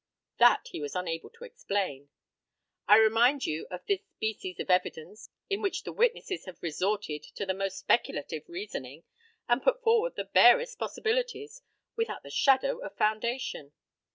That he was unable to explain. I remind you of this species of evidence, in which the witnesses have resorted to the most speculative reasoning, and put forward the barest possibilities without the shadow of foundation.